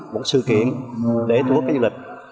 một sự kiện để thuốc các du lịch